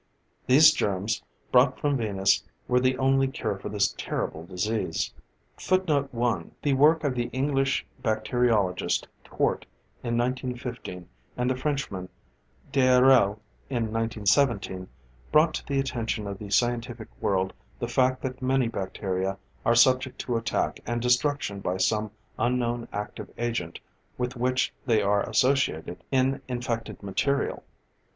These germs, brought from Venus, were the only cure for the terrible disease. [Footnote 1: The work of the English bacteriologist Twort, in 1915, and the Frenchman, d'Herelle, in 1917, brought to the attention of the scientific world the fact that many bacteria are subject to attack and destruction by some unknown active agent with which they are associated in infected material.